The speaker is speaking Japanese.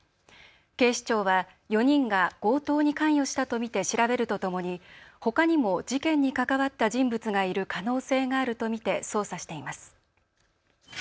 警視庁は４人が強盗に関与したと見て調べるとともにほかにも事件に関わった人物がいる可能性があると見て捜査しています。